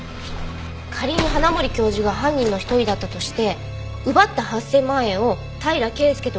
仮に花森教授が犯人の一人だったとして奪った８０００万円を平良圭介と分けたとすると。